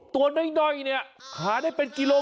ตัวน้อยเนี่ยหาได้เป็นกิโล